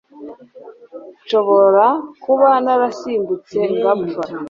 Nshobora kuba narasimbutse ngapfa